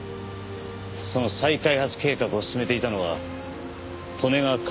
その再開発計画を進めていたのは利根川開発です。